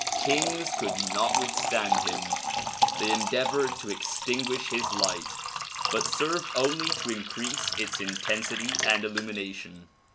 Kings could not withstand him. They en deavored to extinguish his light but served only to increase its intensity and illumination.